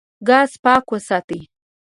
ګاز پاک وساتئ.